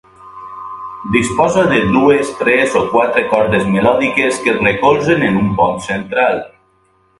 Disposa de dues, tres o quatre cordes melòdiques que es recolzen en un pont central.